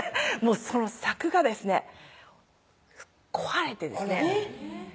その柵がですね壊れてですね